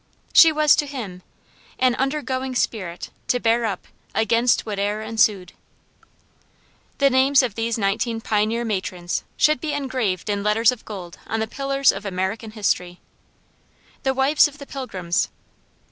She was to him, " an undergoing spirit, to bear up Against whate'er ensued." The names of these nineteen pioneer matrons should be engraved in letters of gold on the pillars of American history: The Wives of the Pilgrims.